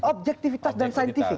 ojektivitas dan saintifik